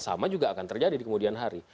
sama juga akan terjadi di kemudian hari